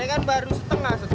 ini kan baru setengah